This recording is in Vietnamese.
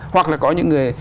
hoặc là có những người